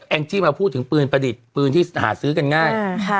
งจี้มาพูดถึงปืนประดิษฐ์ปืนที่หาซื้อกันง่าย